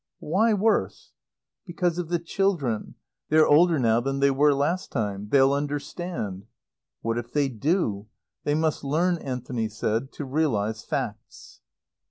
"Why worse?" "Because of the children. They're older now than they were last time. They'll understand." "What if they do? They must learn," Anthony said, "to realize facts."